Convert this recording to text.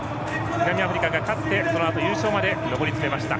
南アフリカが勝ってそのあと優勝まで上り詰めました。